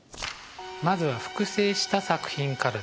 まずは複製した作品からです。